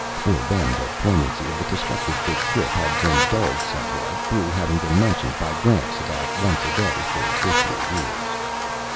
For them, the poignancy of the prospective Big Trip had been dulled somewhat, through having been mentioned by Gramps about once a day for fifty years.